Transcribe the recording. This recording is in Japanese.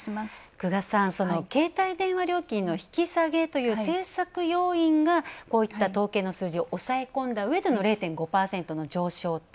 久我さん、その携帯電話料金の引き下げという政策要因がこういった統計の数字を抑え込んだうえでの０．５％の上昇と。